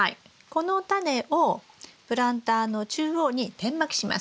このタネをプランターの中央に点まきします。